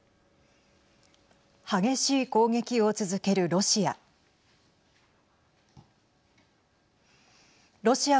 激しい攻撃を続けるロシア。